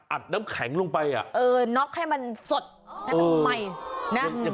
อัดน้ำแข็งลงไปนอกให้มันสดให้มันมาใหม่